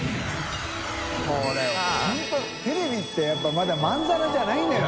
發Δ本当テレビってやっぱまだまんざらじゃないんだよ。